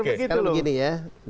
sekarang begini ya